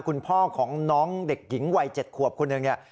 คุณพ่อของน้องเด็กหญิงวัย๗ขวบคนหนึ่งเนี่ย